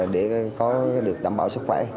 để có được đảm bảo sức khỏe